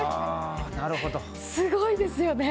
すごいですよね。